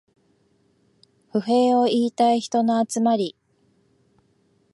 不平を言いたい人の集まり